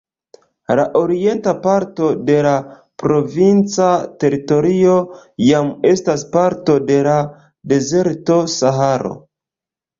La orienta parto de la provinca teritorio jam estas parto de la dezerto Saharo.